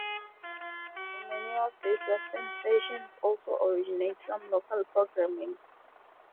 Many of these western stations also originate some local programming.